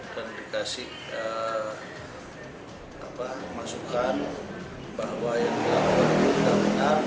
dan dikasih masukan bahwa yang dilakukan itu benar benar